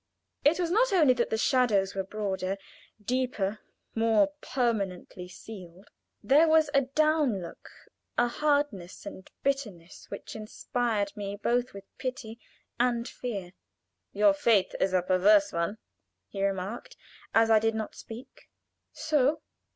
It was not only that the shadows were broader, deeper, more permanently sealed there was a down look a hardness and bitterness which inspired me both with pity and fear. "Your fate is a perverse one," he remarked, as I did not speak. "So!